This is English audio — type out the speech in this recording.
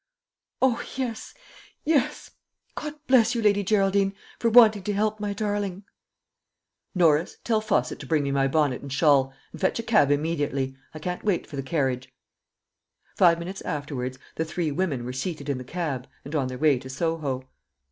"O, yes, yes! God bless you, Lady Geraldine, for wanting to help my darling!" "Norris, tell Fosset to bring me my bonnet and shawl, and fetch a cab immediately; I can't wait for the carriage." Five minutes afterwards, the three women were seated in the cab, and on their way to Soho.